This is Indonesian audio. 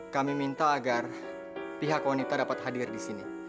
kami minta agar pihak wanita dapat hadir disini